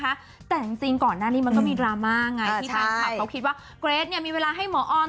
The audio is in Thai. แต่จริงจริงก่อนหน้านี้มันก็มีดราม่าไงใช่พี่คลินิกค่ะเขาคิดว่าเกรดเนี้ยมีเวลาให้หมอออน